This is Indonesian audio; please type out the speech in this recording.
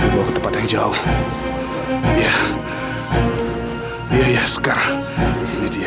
di bawah tempat yang jauh ya ya sekarang ini dia